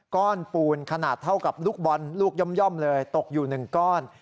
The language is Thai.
ปูนขนาดเท่ากับลูกบอลลูกย่อมเลยตกอยู่๑ก้อน